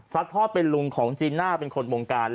ทอดเป็นลุงของจีน่าเป็นคนวงการ